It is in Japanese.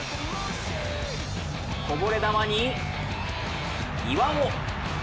こぼれ球に、岩尾。